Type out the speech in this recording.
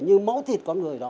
như mẫu thịt con người đó